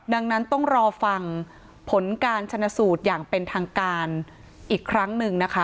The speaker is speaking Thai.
ดังนั้นต้องรอฟังผลการชนะสูตรอย่างเป็นทางการอีกครั้งหนึ่งนะคะ